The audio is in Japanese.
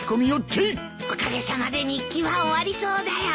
おかげさまで日記は終わりそうだよ。